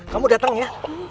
kamu datang ya